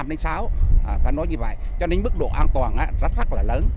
nói như vậy cho nên mức độ an toàn rất là lớn